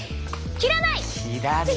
切らない。